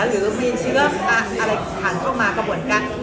หรือมีเชื้ออะไรผ่านเข้ามากระบวนการ